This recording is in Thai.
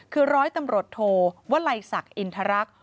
คือร้อยตำรวจโทวลัยศักดิ์อินทรักษ